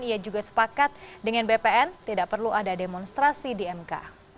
ia juga sepakat dengan bpn tidak perlu ada demonstrasi di mk